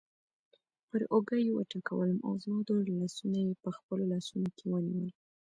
پر اوږه یې وټکولم او زما دواړه لاسونه یې په خپلو لاسونو کې ونیول.